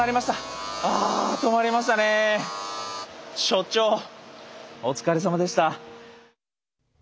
所長お疲れさまでした。